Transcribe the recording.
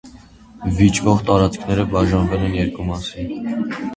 Վիճվող տարածքները բաժանվել են երկու մասի։